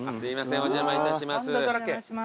お邪魔いたします。